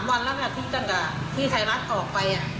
เพราะเมื่อวานนี้๒๓วันแล้วที่ไทยรัฐออกไป